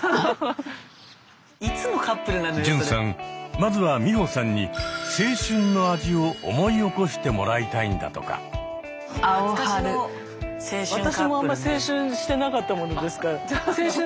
まずは美穂さんに青春の味を思い起こしてもらいたいんだとか。ということで早速。